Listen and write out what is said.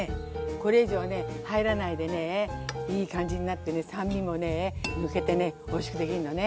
これ以上ね入らないでねいい感じになってね酸味もね抜けてねおいしくできんのね。